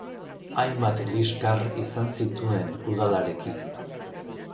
Hainbat liskar izan zituen udalarekin.